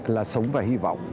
là sống và hy vọng